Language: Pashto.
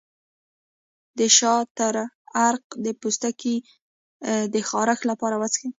د شاه تره عرق د پوستکي د خارښ لپاره وڅښئ